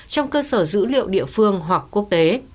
trong cơ sở dữ liệu địa phương hoặc quốc tế